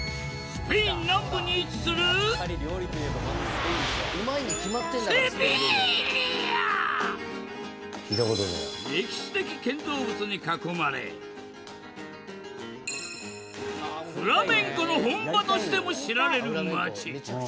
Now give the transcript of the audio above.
スペイン南部に位置する歴史的建造物に囲まれフラメンコの本場としても知られる街